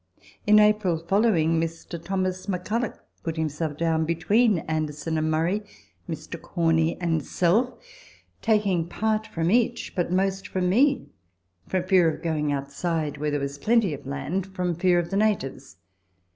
In April following, Mr. Thomas McCulloch put himself down between Addison and Murray, Mr. Corney, and self, taking part from each, but most from me, from fear of going outside, where there was plenty of land, from fear of the natives.